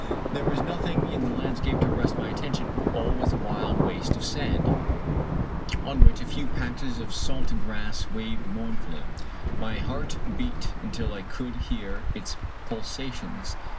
There was nothing in the landscape to arrest my attention. All was a wild waste of sand, on which a few patches of salt grass waved mourn fully. My heart beat until I could hear its pulsations.